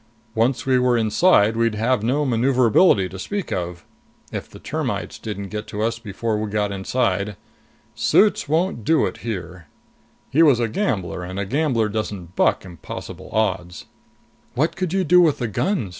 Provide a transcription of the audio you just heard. Once we were inside, we'd have no maneuverability to speak of. If the termites didn't get to us before we got inside. Suits won't do it here." He was a gambler, and a gambler doesn't buck impossible odds. "What could you do with the guns?"